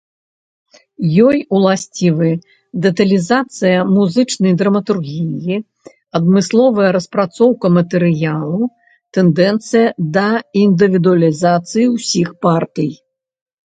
Ёй уласцівы дэталізацыя музычнай драматургіі, адмысловая распрацоўка матэрыялу, тэндэнцыя да індывідуалізацыі ўсіх партый.